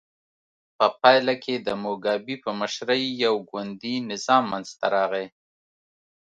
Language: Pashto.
په پایله کې د موګابي په مشرۍ یو ګوندي نظام منځته راغی.